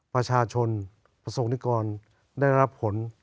ประชาชนประสงค์นิกรได้รับผล